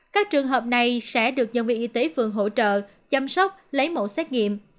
các trường hợp này sẽ được nhân viên y tế phường hỗ trợ chăm sóc lấy mẫu xét nghiệm